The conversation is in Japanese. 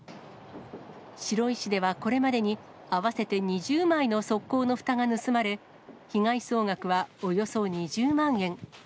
白井市ではこれまでに、合わせて２０枚の側溝のふたが盗まれ、被害総額はおよそ２０万円。